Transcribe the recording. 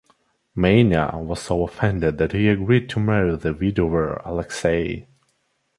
Manya was so offended that he agreed to marry the widower Alexei.